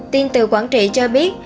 tin từ quảng trị cho biết